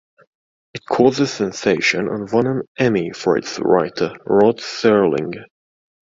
It caused a sensation, and won an Emmy for its writer, Rod Serling.